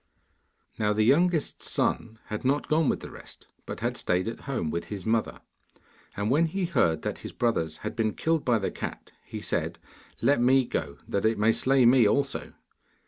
Now the youngest son had not gone with the rest, but had stayed at home with his mother; and when he heard that his brothers had been killed by the cat he said, 'Let me go, that it may slay me also.